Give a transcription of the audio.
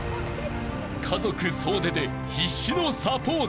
［家族総出で必死のサポート］